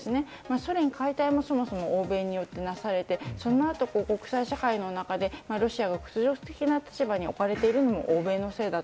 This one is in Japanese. ソ連解体もそもそも欧米によってなされてそのあとも国際社会の中でロシアが屈辱的な立場に置かれているのも欧米のせいだと。